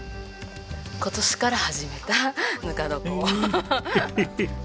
今年から始めたぬか床アハハハ。